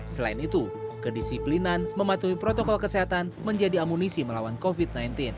selain itu kedisiplinan mematuhi protokol kesehatan menjadi amunisi melawan covid sembilan belas